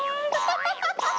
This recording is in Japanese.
アハハハハ！